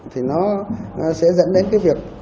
thì nó sẽ dẫn đến cái việc